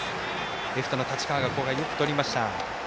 レフトの太刀川がここはよくとりました。